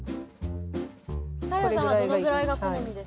太陽さんはどのぐらいが好みですか？